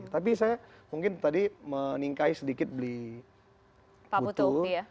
tapi saya mungkin tadi meningkai sedikit beli putu